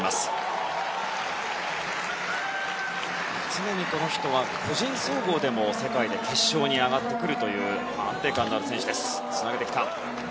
常にこの人は個人総合でも世界で決勝に上がってくるという安定感のある選手です。